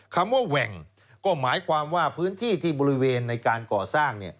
คำว่าแหว่งก็หมายความว่าพื้นที่ที่บริเวณในการก่อสร้าง